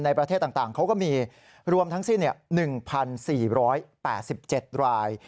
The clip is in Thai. ประเทศต่างเขาก็มีรวมทั้งสิ้น๑๔๘๗ราย